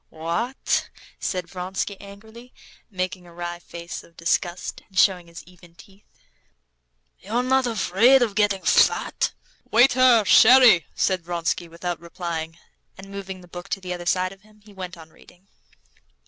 "What?" said Vronsky angrily, making a wry face of disgust, and showing his even teeth. "You're not afraid of getting fat?" "Waiter, sherry!" said Vronsky, without replying, and moving the book to the other side of him, he went on reading.